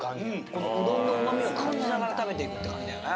このうどんのうまみを感じながら食べていくって感じだよね。